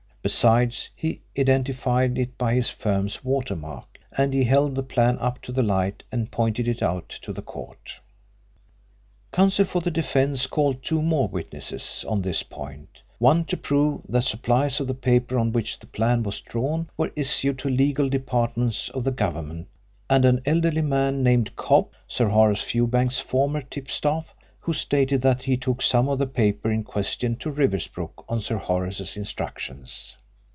Besides, he identified it by his firm's watermark, and he held the plan up to the light and pointed it out to the court. Counsel for the defence called two more witnesses on this point one to prove that supplies of the paper on which the plan was drawn were issued to legal departments of the Government, and an elderly man named Cobb, Sir Horace Fewbanks's former tipstaff, who stated that he took some of the paper in question to Riversbrook on Sir Horace's instructions.